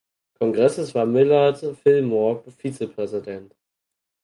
Kongresses war Millard Fillmore Vizepräsident.